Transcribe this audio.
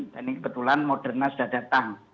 dan ini kebetulan moderna sudah datang